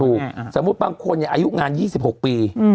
สมมุติบางคนอายุงาน๒๖ปี